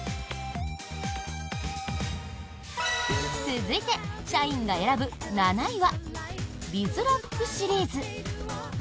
続いて、社員が選ぶ７位はＢＩＺＲＡＣＫシリーズ。